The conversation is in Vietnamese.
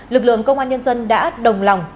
lực lượng công an nhân dân đã đồng lòng